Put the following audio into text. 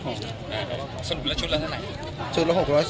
สนุกละชุดละเท่าไหร่